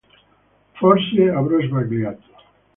Forse avrò sbagliato